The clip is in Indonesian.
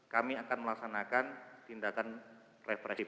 kami akan melaksanakan tindakan represif